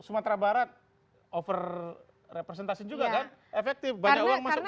sumatera barat over representasi juga kan efektif banyak uang masuk